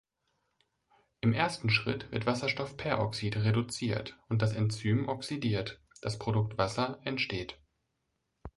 Im ersten Schritt wird Wasserstoffperoxid reduziert und das Enzym oxidiert, das Produkt Wasser entsteht.